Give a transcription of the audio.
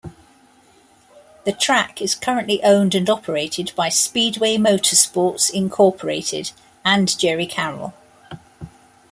The track is currently owned and operated by Speedway Motorsports, Incorporated and Jerry Carroll.